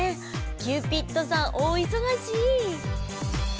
キューピッドさん大いそがし！